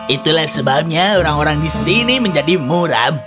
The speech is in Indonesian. itulah sebabnya orang orang di sini menjadi muram